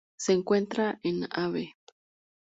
Se encuentra en Av.